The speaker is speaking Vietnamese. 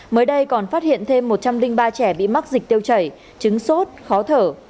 mới đây còn phát hiện thêm một trăm linh ba trẻ bị mắc dịch tiêu chảy chứng sốt khó thở